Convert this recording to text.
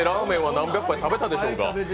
何百回と食べたでしょうが。